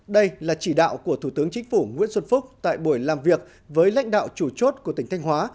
đây là chỉ đạo của thủ tướng chính phủ nguyễn xuân phúc tại buổi làm việc với lãnh đạo chủ chốt của tỉnh thanh hóa